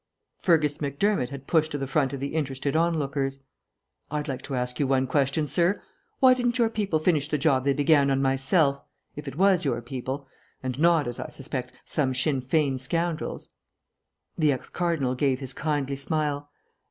Fergus Macdermott had pushed to the front of the interested onlookers. "I'd like to ask you one question, sir. Why didn't your people finish the job they began on myself if it was your people, and not, as I suspect, some Sinn Fein scoundrels?" The ex cardinal gave his kindly smile.